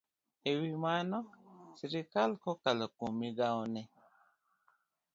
E wi mano, sirkal kokalo kuom migawone